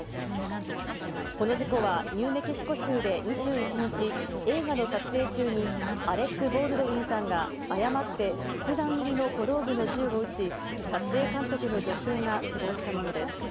この事故は、ニューメキシコ州で２１日、映画の撮影中に、アレック・ボールドウィンさんが誤って実弾入りの小道具の銃を撃ち、撮影監督の女性が死亡したものです。